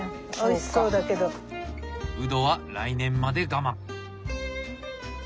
ウドは来年まで我慢！